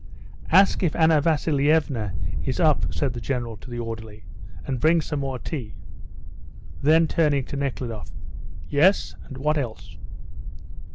"Ask if Anna Vasilievna is up," said the General to the orderly, "and bring some more tea." Then, turning to Nekhludoff, "Yes, and what else?"